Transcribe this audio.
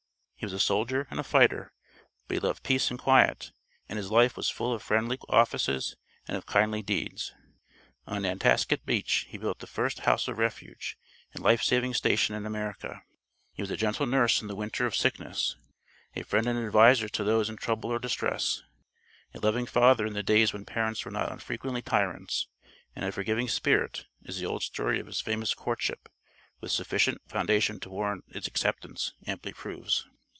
He was a soldier and a fighter; but he loved peace and quiet, and his life was full of friendly offices and of kindly deeds. On Nantasket Beach he built the first "house of refuge" and life saving station in America. He was a gentle nurse in the winter of sickness, a friend and adviser to those in trouble or distress, a loving father in the days when parents were not unfrequently tyrants, and a forgiving spirit, as the old story of his famous "courtship" (with sufficient foundation to warrant its acceptance) amply proves.